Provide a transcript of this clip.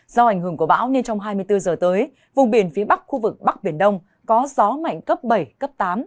do ảnh hưởng của bão nên trong hai mươi bốn giờ tới vùng biển phía bắc khu vực bắc biển đông có gió mạnh cấp bảy cấp tám